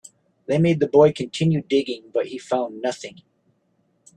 They made the boy continue digging, but he found nothing.